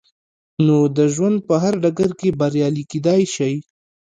نو د ژوند په هر ډګر کې بريالي کېدای شئ.